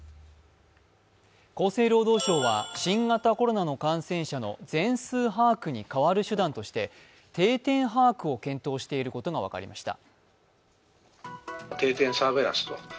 厚生労働省は新型コロナの感染者の全数把握に代わる手段として定点把握を検討していることが分かりました。